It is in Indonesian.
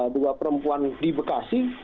dua perempuan di bekasi